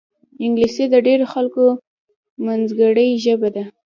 انګلیسي د ډېرو خلکو منځګړې ژبه ده